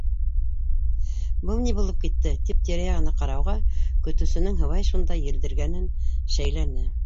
Был ни булып китте, тип тирә-яғына ҡарауға, көтөүсенең һыбай шунда елдергәнен шәйләне.